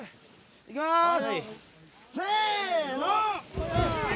行きますせの！